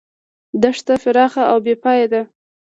دښته پراخه او بې پایه ده.